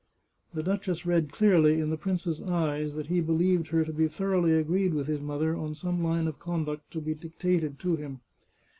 The duchess read clearly in the prince's eyes that he be lieved her to be thoroughly agreed with his mother on some line of conduct to be dictated to him.